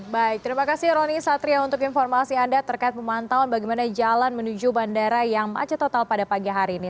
baik terima kasih roni satria untuk informasi anda terkait pemantauan bagaimana jalan menuju bandara yang macet total pada pagi hari ini